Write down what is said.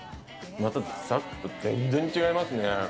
またさっきと全然違いますね。